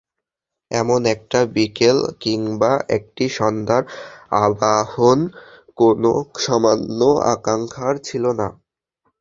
এমন একটি বিকেল কিংবা একটি সন্ধ্যার আবাহন কোনো সামান্য আকাঙ্ক্ষার ছিল না।